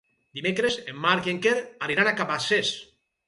Dimecres en Marc i en Quer aniran a Cabacés.